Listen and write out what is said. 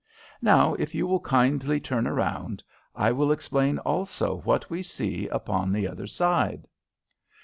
Now, if you will kindly turn round, I will explain, also, what we see upon the other side."